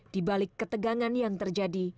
dibalik ketegangan yang terjadi